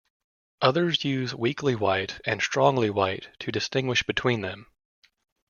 Others use weakly white and strongly white to distinguish between them.